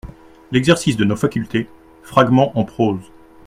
L'Exercice de nos facultés, fragment en prose.